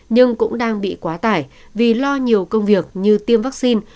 nhưng cũng đang bị quá tải vì lo nhiều công việc như tiêm vaccine